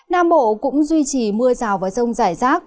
nam bộ cũng duy trì mưa rào và rông rải rác